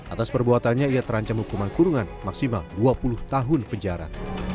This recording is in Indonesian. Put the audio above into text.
atas perbuatannya ia terancam hukuman kurungan maksimal dua puluh tahun penjara